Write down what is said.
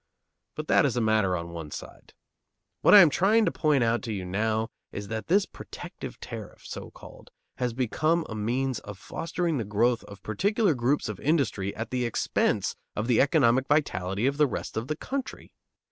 But that is a matter on one side. What I am trying to point out to you now is that this "protective" tariff, so called, has become a means of fostering the growth of particular groups of industry at the expense of the economic vitality of the rest of the country.